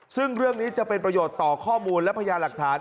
ซึ่งเรื่องนี้จะเป็นประโยชน์ต่อข้อมูลและพญาหลักฐาน